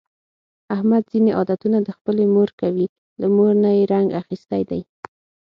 احمد ځني عادتونه د خپلې مور کوي، له مور نه یې رنګ اخیستی دی.